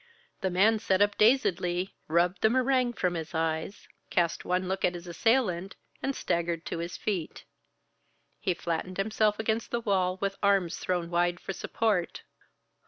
The man sat up dazedly, rubbed the meringue from his eyes, cast one look at his assailant, and staggered to his feet. He flattened himself against the wall with arms thrown wide for support.